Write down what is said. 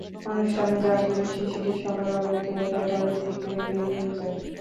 অনুষ্ঠানে যাওয়ার জন্য শিশুটি সবার অলক্ষ্যে একাই বাড়ি থেকে বের হয়ে যায়।